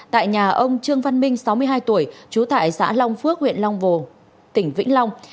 tại nhà ông trương văn minh sáu mươi hai tuổi trú tại xã long phước huyện long vồ tỉnh vĩnh long